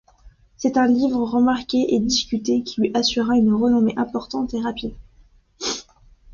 C'est un livre remarqué et discuté qui lui assura une renommée importante et rapide.